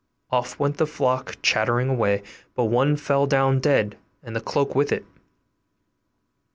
Off went the flock chattering away; but one fell down dead, and the cloak with it.